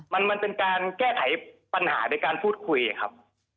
มันเป็นการแก้ไขปัญหาโดยการพูดคุยครับ